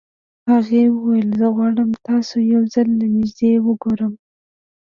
هغې وويل زه غواړم تاسو يو ځل له نږدې وګورم.